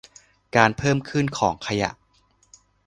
การเพิ่มขึ้นของขยะ